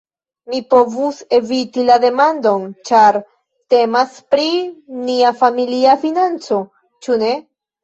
Mi povus eviti la demandon, ĉar temas pri nia familia financo, ĉu ne?